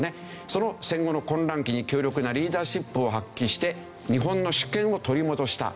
その戦後の混乱期に強力なリーダーシップを発揮して日本の主権を取り戻した。